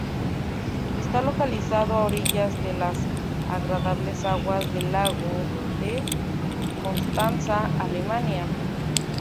Está localizado a orillas de las agradables aguas del lago de Constanza, Alemania.